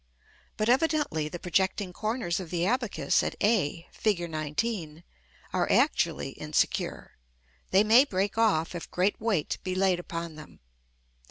But evidently the projecting corners of the abacus at a, Fig. XIX., are actually insecure; they may break off, if great weight be laid upon them.